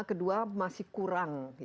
kedua masih kurang